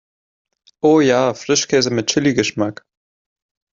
Oh ja, Frischkäse mit Chili-Geschmack!